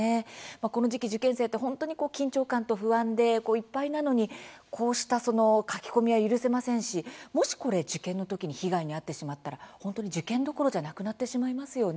この時期、受験生って本当に緊張感と不安でいっぱいなのにこうした書き込みは許せませんしもし、受験の時に被害に遭ってしまったら本当に受験どころじゃなくなってしまいますよね。